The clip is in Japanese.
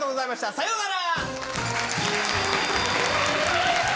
さようなら！